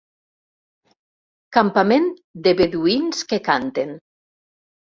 Campament de beduïns que canten.